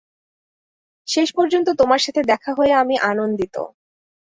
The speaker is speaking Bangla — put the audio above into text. শেষপর্যন্ত তোমার সাথে দেখা হয়ে আমি আনন্দিত।